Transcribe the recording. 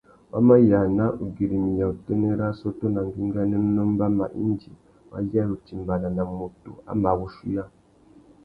Wa mà yāna ugüirimiya utênê râ assôtô nà ngüinganénô mbama indi wa yêrê utimbāna nà mutu a mà wuchuiya.